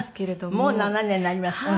もう７年になりますか？